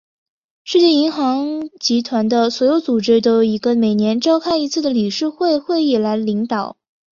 世界银行集团的所有组织都由一个每年召开一次的理事会会议来领导。